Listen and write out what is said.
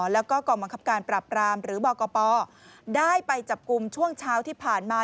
และกปปได้ไปจับกลุ่มช่วงเช้าที่ผ่านมา